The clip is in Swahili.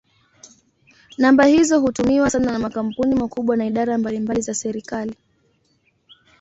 Namba hizo hutumiwa sana na makampuni makubwa na idara mbalimbali za serikali.